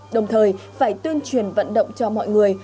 đồng thời phải tuyên truyền vận động cho mọi người